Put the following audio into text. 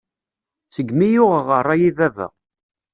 Seg-mi i yuɣeɣ ṛṛay i baba.